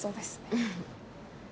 うん。